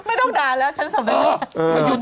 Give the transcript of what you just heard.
ไม่ต้องด่าแล้วฉันสำนึกไม่ทัน